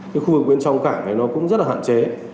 cái khu vực bên trong cảng này nó cũng rất là hạn chế